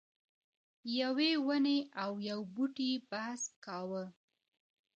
یوې ونې او یو بوټي بحث کاوه.